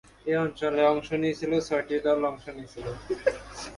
এ অঞ্চল থেকে ছয়টি দল অংশ নিয়েছিল।